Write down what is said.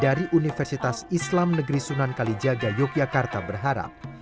dari universitas islam negeri sunan kalijaga yogyakarta berharap